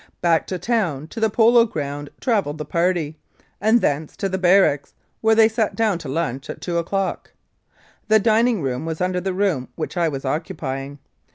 Back to town, to the polo ground, travelled the party, and thence to the barracks, where they sat down to lunch at two o'clock. The dining room was under the room which I was occupying.